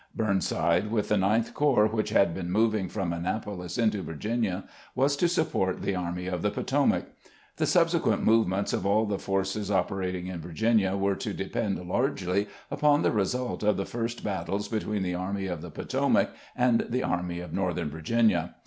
Burnside, with the Ninth Corps, which had been moved from Annapolis into Virginia, was to support the Army of the Potomac. The subse quent movements of all the forces operating in Virginia were to depend largely upon the result of the first bat tles between the Army of the Potomac and the Army of Northern Virginia.